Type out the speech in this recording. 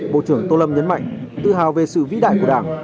bộ trưởng tô lâm nhấn mạnh tự hào về sự vĩ đại của đảng